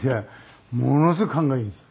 ものすごく勘がいいんですよ。